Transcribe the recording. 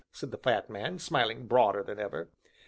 said the fat man, smiling broader than ever.